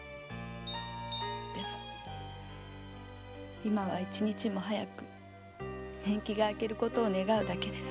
でも今は一日も早く年期が明ける事を願うだけです。